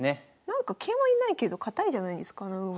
なんか桂馬いないけど堅いじゃないですか穴熊。